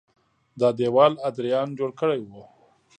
دا دېوال ادریان جوړ کړی و